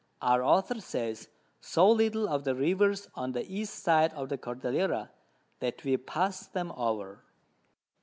Our Author says so little of the Rivers on the East side of the Cordillera, that we pass them over.